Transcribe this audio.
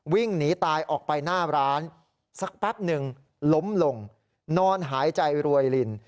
วิ่งหนีตายออกไปหน้าร้านสักแป๊บหนึ่งล้มลงนอนหายใจรวยลิน